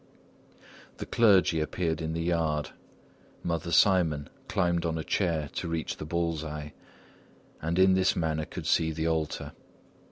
The clergy appeared in the yard. Mother Simon climbed on a chair to reach the bull's eye, and in this manner could see the altar.